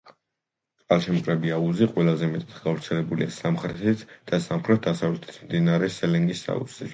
წყალშემკრები აუზი ყველაზე მეტად გავრცელებულია სამხრეთით და სამხრეთ-დასავლეთით მდინარე სელენგის აუზის მხარეს.